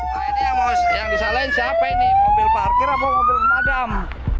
hai ini ya mos yang bisa lain siapa ini mobil parkir apa mobil madam